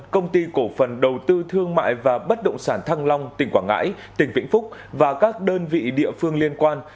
công ty cổ phần đầu tư thương mại và bất động sản thăng long tỉnh quảng ngãi tỉnh vĩnh phúc và các đơn vị địa phương liên quan